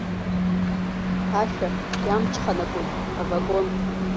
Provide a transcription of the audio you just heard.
Ашәа иамҽханакуеит авагон.